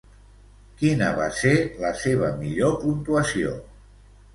Quina va ser la seva millor puntuació?